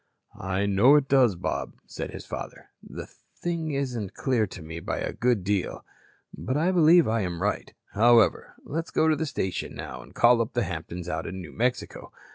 "I know it does, Bob," said his father. "The thing isn't clear to me by a good deal. But I believe I am right. However, let's go into the station now and call up the Hamptons out in New Mexico.